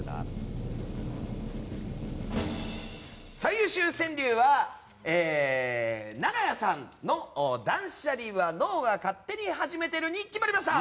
最優秀川柳は、永冶さんの「断捨離は脳が勝手に始めてる」に決まりました！